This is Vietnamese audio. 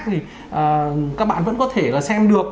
thì các bạn vẫn có thể là xem được